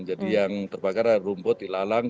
jadi yang terbakar adalah rumput ilalang